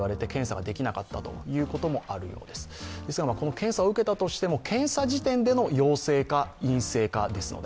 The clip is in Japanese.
検査を受けたとしても検査時点での陽性か陰性かですので、